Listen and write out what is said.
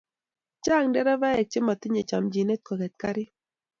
Chng nderevaek che matinye chamchinet koket karit